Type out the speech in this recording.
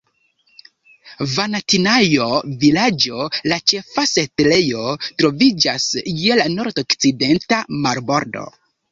Vanatinajo-Vilaĝo, la ĉefa setlejo, troviĝas je la nordokcidenta marbordo.